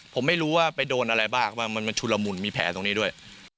ผมไม่รู้ว่าไปโดนอะไรบ้างมันชุนละมุนมีแผลตรงนี้ด้วย